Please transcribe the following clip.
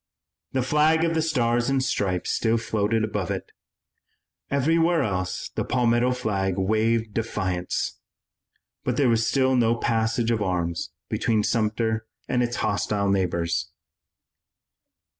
The flag of the Stars and Stripes still floated above it. Everywhere else the Palmetto flag waved defiance. But there was still no passage of arms between Sumter and its hostile neighbors.